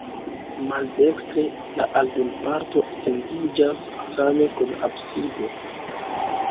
Maldekstre la aldonparto etendiĝas same kun absido.